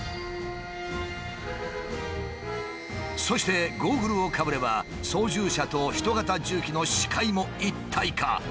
そしてゴーグルをかぶれば操縦者と人型重機の視界も一体化。